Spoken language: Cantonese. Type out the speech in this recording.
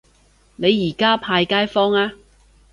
你而家派街坊呀